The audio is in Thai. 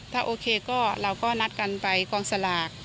ถ้าโอเคก็เราก็นัดกันไปกองสลาก